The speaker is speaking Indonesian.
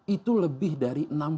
itu lebih dari enam puluh